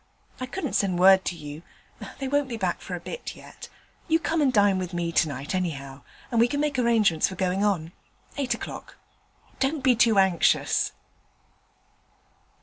I couldn't send word to you; they won't be back for a bit yet. You come and dine with me tonight, anyhow, and we can make arrangements for going on. Eight o'clock. Don't be too anxious.'